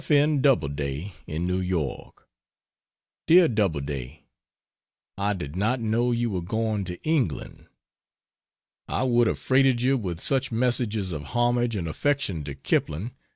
N. Doubleday, in New York: DEAR DOUBLEDAY, I did not know you were going to England: I would have freighted you with such messages of homage and affection to Kipling.